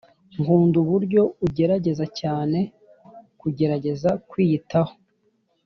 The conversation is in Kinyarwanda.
nkunda uburyo ugerageza cyane kugerageza kwiyitaho